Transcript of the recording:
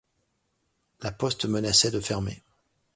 La poste menaçait de fermer.